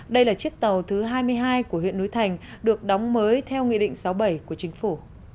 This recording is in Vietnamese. đây là chiếc tàu thứ hai mươi hai của huyện núi thành được đóng mới theo nghị định sáu mươi bảy của chính phủ